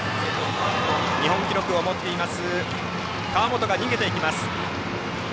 日本記録を持っています川元が逃げていきます。